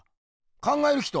「考える人」！